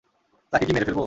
তাকে কি মেরে ফেলবো?